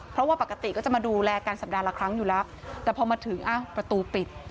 เพราะว่าปกติก็จะมาดูแลกันสัปดาห์ละครั้งอยู่แล้วแต่พอมาถึงอ้าวประตูปิด